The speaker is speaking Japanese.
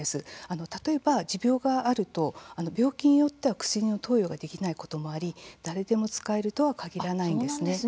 例えば、持病があると病気によっては薬の投与ができないこともあり誰でも使えるとは限らないんですね。